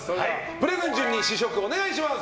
プレゼン順に試食お願いします。